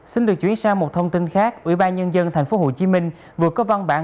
xin được chuyển sang một thông tin khác ủy ban nhân dân tp hcm vừa có văn bản